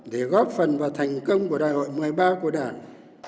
để góp phần vào thành công của đại hội một mươi ba của đảng